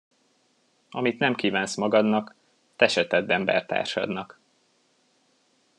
Amit nem kívánsz magadnak, te se tedd embertársadnak.